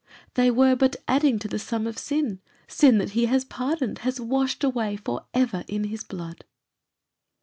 "They were but adding to the sum of sin; sin that he has pardoned, has washed away for ever in his blood."